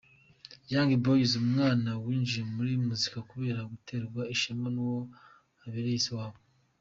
Young Boy umwana winjiye muri muzika kubera guterwa ishema n'uwo abereye se wabo.